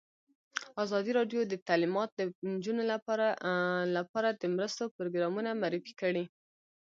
ازادي راډیو د تعلیمات د نجونو لپاره لپاره د مرستو پروګرامونه معرفي کړي.